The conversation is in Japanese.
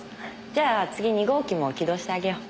じゃあ次２号機も起動してあげよう。